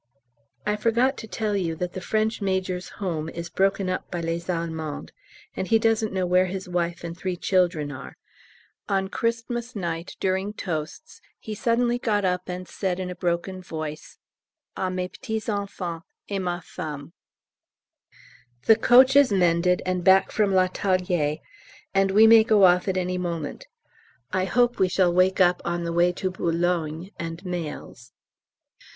I forgot to tell you that the French Major's home is broken up by Les Allemands, and he doesn't know where his wife and three children are. On Xmas night, during toasts, he suddenly got up and said in a broken voice, "À mes petits enfants et ma femme." The coach is mended and back from l'atelier, and we may go off at any moment. I hope we shall wake up on the way to Boulogne and mails.